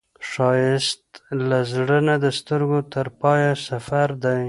ښایست له زړه نه د سترګو تر پایه سفر دی